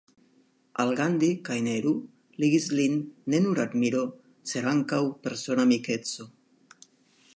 Al Gandhi kaj Nehru ligis lin ne nur admiro sed ankaŭ persona amikeco.